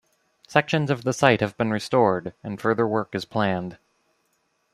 Sections of the site have been restored and further work is planned.